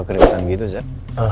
kamu kenapa keliatan gitu zack